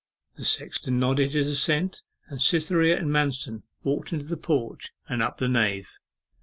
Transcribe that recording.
The sexton nodded his assent, and Cytherea and Manston walked into the porch, and up the nave.